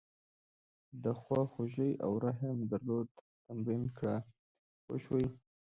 د خواخوږۍ او رحم درلودل تمرین کړه پوه شوې!.